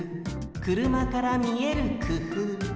くるまからみえるくふう。